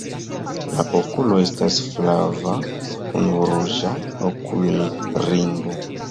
La okulo estas flava kun ruĝa okulringo.